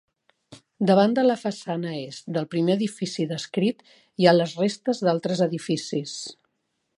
Davant de la façana est del primer edifici descrit, hi ha les restes d'altres edificis.